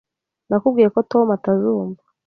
Nakubwiye ko Tom atazumva.